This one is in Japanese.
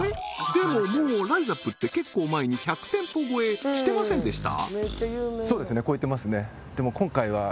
でももうライザップって結構前に１００店舗超えしてませんでした？